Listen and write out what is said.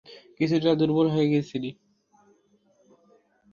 কিছুটা দুর্বল হয়ে গিয়েছিলে।